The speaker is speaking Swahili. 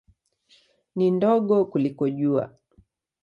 Ni ndogo kuliko Jua.